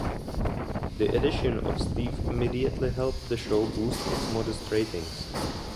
The addition of Steve immediately helped the show boost its modest ratings.